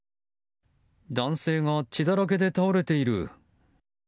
男性が血だらけで倒れている。